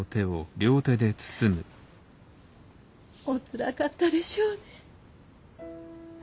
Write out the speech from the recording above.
おつらかったでしょうね。